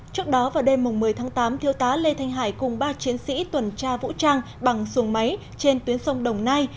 trước đó vào đêm một mươi tháng tám thiếu tá lê thanh hải cùng ba chiến sĩ tuần tra vũ trang bằng xuồng máy trên tuyến sông đồng nai